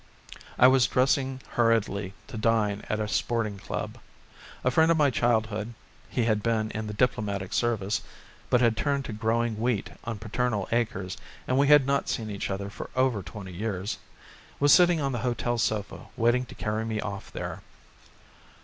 I was dressing hurriedly to dine at a sporting club. A friend of my childhood (he had been in the Diplomatic Service, but had turned to growing wheat on paternal acres, and we had not seen each other for over twenty years) was sitting on the hotel sofa waiting to carry me off there.